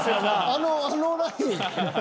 あのあのライン。